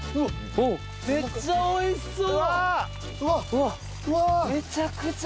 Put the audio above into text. めっちゃおいしそう！